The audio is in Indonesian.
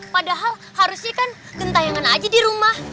padahal harusnya kan gentayangan aja di rumah